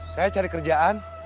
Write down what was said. saya cari kerjaan